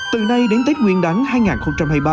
từ nay đến tết nguyên đáng hai nghìn hai mươi ba